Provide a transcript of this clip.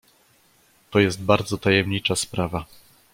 "To jest bardzo tajemnicza sprawa."